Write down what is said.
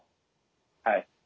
はい。